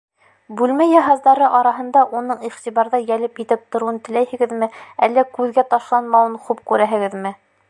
Бүлмә йыһаздары араһында уның иғтибарҙы йәлеп итеп тороуын теләйһегеҙме, әллә күҙгә ташланмауын хуп күрәһегеҙме?